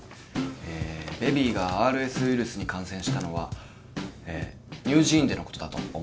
えベビーがＲＳウィルスに感染したのはえ乳児院でのことだと思われます。